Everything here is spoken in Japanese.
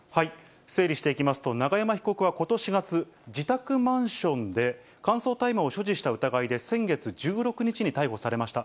整理していきますと、永山被告はことし４月、自宅マンションで乾燥大麻を所持した疑いで先月１６日に逮捕されました。